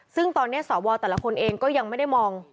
ซึ่งตอนนี้สวแต่ละคนเองก็ยังไม่ได้มอง